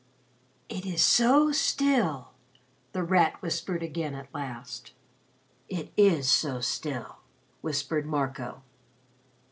"It is so still," The Rat whispered again at last. "It is so still," whispered Marco.